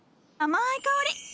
甘い香り。